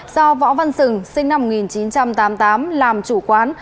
do võ văn sừng sinh năm một nghìn chín trăm tám mươi tám làm chủ quán